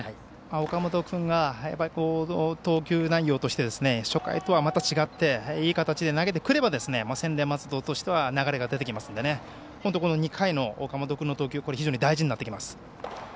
岡本君の投球内容として初回とはまた違っていい形で投げてくれば専大松戸としては流れが出てきますので本当に２回の岡本君の投球が非常に大事になってきます。